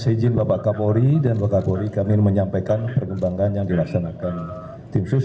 saya izin bapak kapolri dan bapak kapolri kami ingin menyampaikan perkembangan yang dilaksanakan tim sus